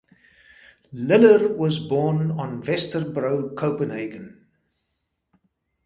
Liller was born on Vesterbro, Copenhagen.